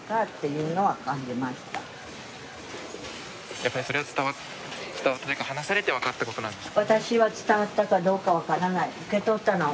やっぱりそれは伝わった話されてわかったことなんですか？